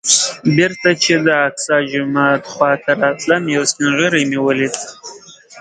بېرته چې د الاقصی جومات خوا ته راتلم یو سپین ږیری مې ولید.